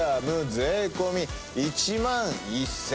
税込み１万１，０００円。